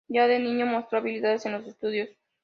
Ya de niño mostró habilidad en los estudios.